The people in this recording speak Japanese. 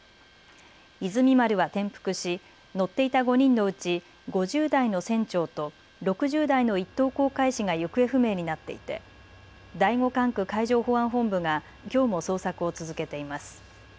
いずみ丸は転覆し、乗っていた５人のうち５０代の船長と６０代の一等航海士が行方不明になっていて第５管区海上保安本部がきょうも捜索を続けています。